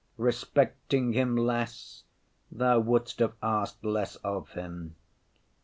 Respecting him less, Thou wouldst have asked less of him.